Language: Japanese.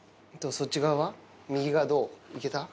そっち側は、右側、いけた？